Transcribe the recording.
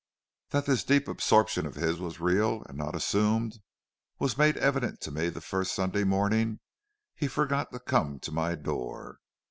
"That this deep absorption of his was real and not assumed was made evident to me the first Sunday morning he forgot to come to my door.